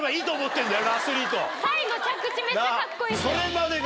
最後着地めっちゃカッコいいけど。